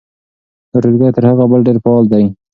دا ټولګی تر هغه بل ډېر فعال دی.